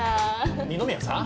二宮さん？